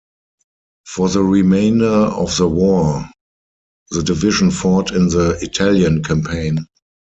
For the remainder of the war, the division fought in the Italian Campaign.